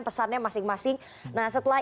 pesannya masing masing nah setelah